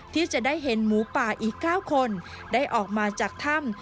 ที่จะได้เห็นหมูป่าอีก๙คนได้ออกมาจากถ้ำ